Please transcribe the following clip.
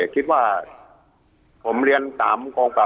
คิดว่าผมเรียน๓วัตร